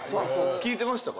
聞いてましたか？